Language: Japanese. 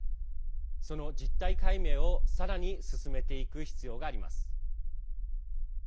その実態解明をさらに進めていく必要があります。